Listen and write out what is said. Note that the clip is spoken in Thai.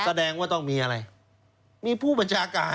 แสดงว่าต้องมีอะไรมีผู้บัญชาการ